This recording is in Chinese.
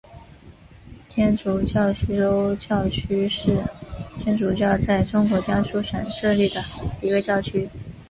天主教徐州教区是天主教在中国江苏省设立的一个教区。